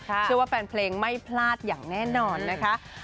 เชื่อว่าแฟนเพลงไม่พลาดอย่างแน่นอนนะคะ